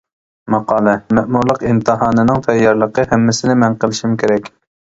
ماقالە، مەمۇرلۇق ئىمتىھانىنىڭ تەييارلىقى ھەممىسىنى مەن قىلىشىم كېرەك.